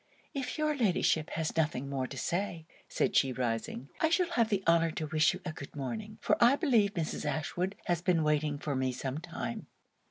'If your Ladyship has nothing more to say,' said she, rising, 'I shall have the honour to wish you a good morning; for I believe Mrs. Ashwood has been waiting for me some time.'